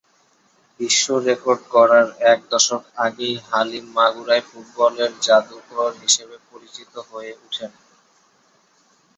বিশ্ব রেকর্ড গড়ার এক দশক আগেই হালিম মাগুরায় ফুটবলের ‘জাদুকর’ হিসেবে পরিচিত হয়ে উঠেন।